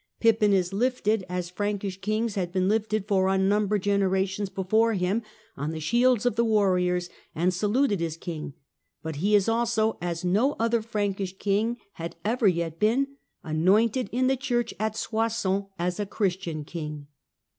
Pippin is lifted, as Prankish kings had been lifted for unnumbered generations before him, on the shields of the warriors and saluted as king ; but he is also, as no other Frankish king had ever yet been, anointed in the church at Soissons as a Christian king.